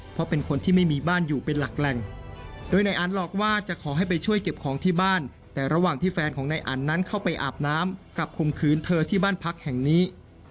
เพราะเป็นคนที่ไม่มีบ้านอยู่เป็นหลักแหล่งโดยนายอันหลอกว่าจะขอให้ไปช่วยเก็บของที่บ้านแต่ระหว่างที่แฟนของนายอันนั้นเข้าไปอาบน้ำกลับคมคืนเธอที่บ้านพักแห่งนี้